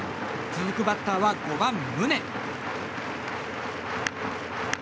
続くバッターは５番、宗。